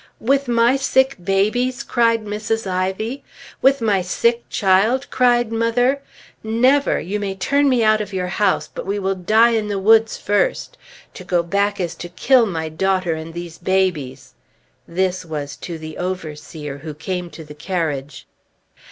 "With my sick babies!" cried Mrs. Ivy. "With my sick child!" cried mother. "Never! You may turn me out of your house, but we will die in the woods first! To go back is to kill my daughter and these babies!" This was to the overseer who came to the carriage.